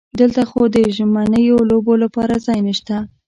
دلته خو د ژمنیو لوبو لپاره ځای نشته.